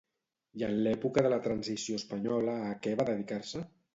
I en l'època de la Transició Espanyola a què va dedicar-se?